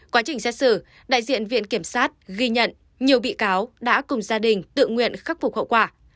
quá trình xét xử đại diện viện kiểm sát ghi nhận nhiều bị cáo đã cùng gia đình tự nguyện khắc phục hậu quả